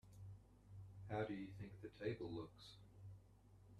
How do you think the table looks?